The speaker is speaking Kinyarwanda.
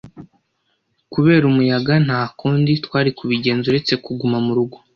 Kubera umuyaga, nta kundi twari kubigenza uretse kuguma mu rugo.